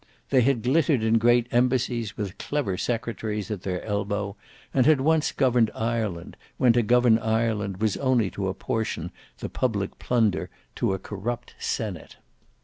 They had glittered in great embassies with clever secretaries at their elbow, and had once governed Ireland when to govern Ireland was only to apportion the public plunder to a corrupt senate.